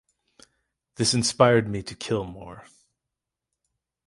This inspired me to kill more.